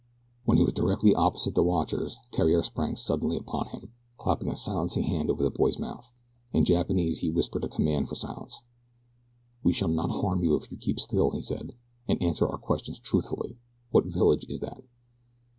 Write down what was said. When he was directly opposite the watchers Theriere sprang suddenly upon him, clapping a silencing hand over the boy's mouth. In Japanese he whispered a command for silence. "We shall not harm you if you keep still," he said, "and answer our questions truthfully. What village is that?"